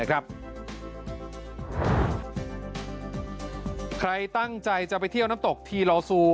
ใครตั้งใจจะไปเที่ยวน้ำตกทีลอซู